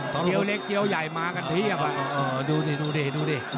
เกี๊ยวเล็กเกี๊ยวใหญ่มากันทีอ่ะว่ะดูดิดูดิ